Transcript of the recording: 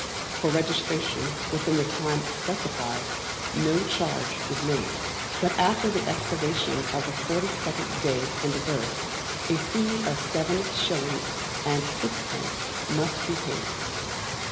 For registration, within the time specified, no charge is made. But after the expiration of the forty second day from the birth, a fee of seven shillings and sixpence must be paid.